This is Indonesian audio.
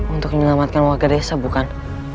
untuk menyelamatkan warga desa bukan